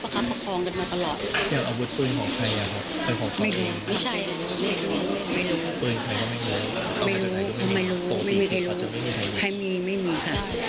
ค่ะไม่มีใครรู้ไม่มีค่ะ